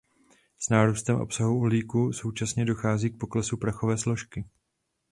S nárůstem obsahu uhlíku současně dochází k poklesu prachové složky.